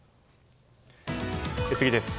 次です。